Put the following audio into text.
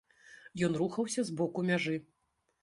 Ён рухаўся з боку мяжы.